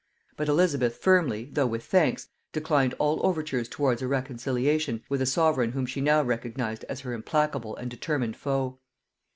But Elizabeth firmly, though with thanks, declined all overtures towards a reconciliation with a sovereign whom she now recognised as her implacable and determined foe.